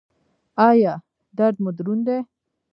ایا درد مو دروند دی؟